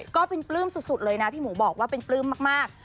ก็เป็นปลื้มสุดเลยนะพี่หมูบอกว่าเป็นปลื้มมาก